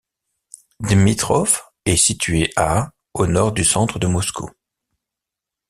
Dmitrov est située à au nord du centre de Moscou.